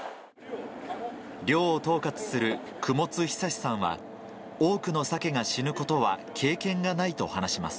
漁を統括する雲津尚さんは、多くのサケが死ぬことは経験がないと話します。